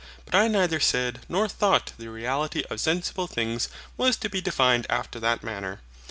But I neither said nor thought the reality of sensible things was to be defined after that manner.